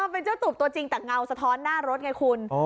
เป็นเจ้าตูบตัวจริงแต่เงาสะท้อนหน้ารถไงคุณ